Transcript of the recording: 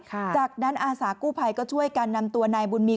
จากนั้นอาสากู้ภัยก็ช่วยกันนำตัวนายบุญมี